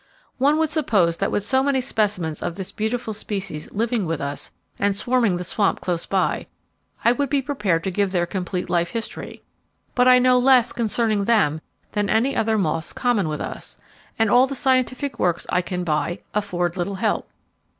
One would suppose that with so many specimens of this beautiful species living with us and swarming the swamp close by, I would be prepared to give their complete life history; but I know less concerning them than any other moths common with us, and all the scientific works I can buy afford little help.